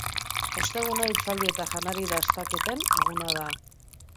Osteguna hitzaldi eta janari dastaketen eguna da.